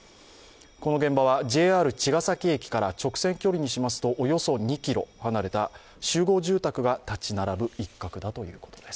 この現場は、ＪＲ茅ケ崎駅から直線距離にしますとおよそ２ｋｍ離れた集合住宅が立ち並ぶ一角だということです。